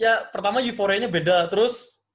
ya pertama euphoria nya beda terus